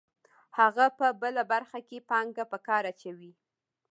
هغه په بله برخه کې پانګه په کار اچوي